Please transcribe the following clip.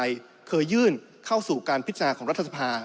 ที่ภักดิ์เพื่อไทยเคยยื่นเข้าสู่การพิจารณ์ของรัฐสภา